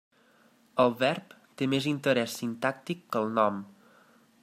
El verb té més interès sintàctic que el nom.